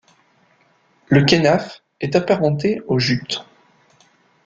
Le kénaf est apparenté au jute.